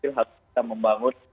kita harus membangun